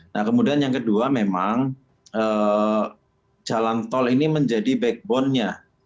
nah kemudian yang kedua memang jalan tol ini menjadi backbone nya